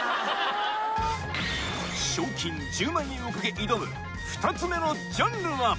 賞金１０万円を懸け挑む２つ目のジャンルは？